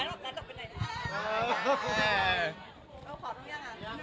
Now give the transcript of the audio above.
เยี่ยม